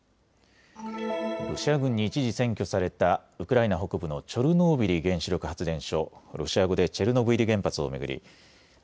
ロシア軍に一時占拠されたウクライナ北部のチョルノービリ原子力発電所、ロシア語でチェルノブイリ原発を巡り